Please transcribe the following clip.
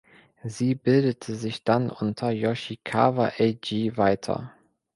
Sie bildete sich dann unter Yoshikawa Eiji weiter.